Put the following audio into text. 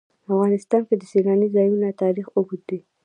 په افغانستان کې د سیلانی ځایونه تاریخ اوږد دی.